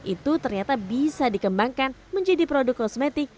itu ternyata bisa dikembangkan menjadi produk kosmetik